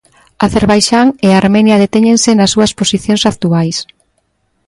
Acerbaixán e Armenia detéñense nas súas posicións actuais.